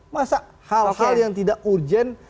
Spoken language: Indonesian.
masa hal hal yang tidak urgent